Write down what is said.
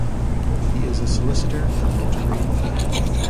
He is a solicitor and notary public.